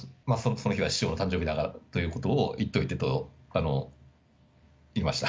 その日は師匠の誕生日だからということを、言っておいてと言いました。